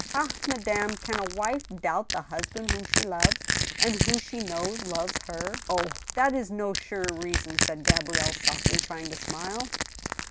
Ah ! madame» can a wife doubt the husband whom she loves, and who she knows loves her ?"" Oh ! that is no sure reason/' said Gabrielle, softly, trying to smile.